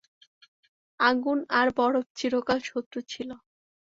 আগুন আর বরফ চিরকাল শত্রু ছিল।